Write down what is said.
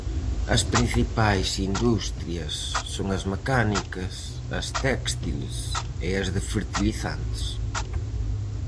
As principais industrias son as mecánicas, as téxtiles e as de fertilizantes.